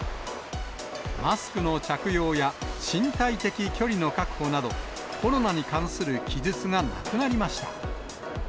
マスクの着用や身体的距離の確保など、コロナに関する記述がなくなりました。